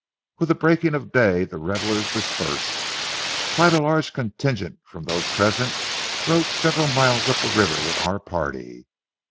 With the breaking of day the revelers dispersed. Quite a large contingent from those present rode several miles up the river with our party.